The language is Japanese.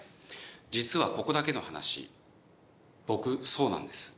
実はここだけの話僕そうなんです。